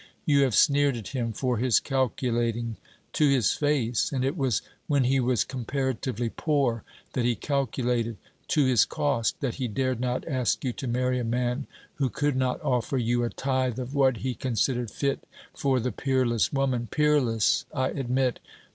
'You have sneered at him for his calculating to his face: and it was when he was comparatively poor that he calculated to his cost! that he dared not ask you to marry a man who could not offer you a tithe of what he considered fit for the peerless woman. Peerless, I admit.